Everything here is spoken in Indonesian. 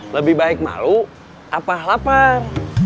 lebih baik malu apa lapar